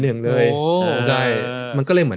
อันนั้นคือปี